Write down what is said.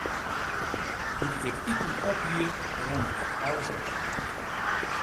Doe't ik it iten op hie, romme ik alles op.